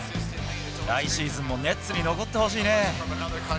来シーズンもネッツに残ってほしいね。